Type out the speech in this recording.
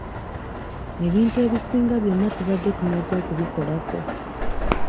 Ebintu ebisinga byonna tubadde tumaze okubikolako.